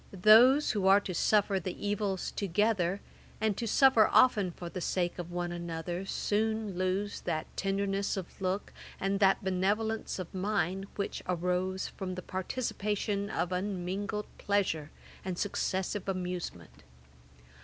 Those who are to suffer the evils together, and to suffer often for the sake of one another, soon lose that tenderness of look, and that benevolence of mind, which arose from the participation of unmingled pleasure and successive amusement.